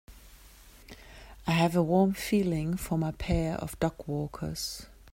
I have a warm feeling for my pair of dogwalkers.